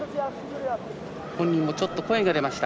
本人もちょっと声が出ました。